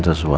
ya ini dia